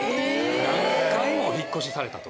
何回も引っ越しされたと。